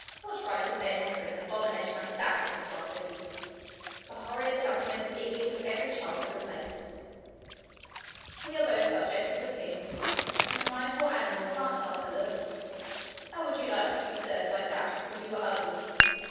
'What right has any one to bring an abomination like that into our city? The horror is enough to make an idiot of every child in the place.' 'We are both subjects of the king, and my poor animal can't help her looks. How would you like to be served like that because you were ugly?